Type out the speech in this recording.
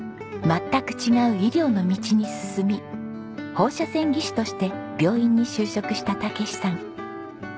全く違う医療の道に進み放射線技師として病院に就職した武史さん。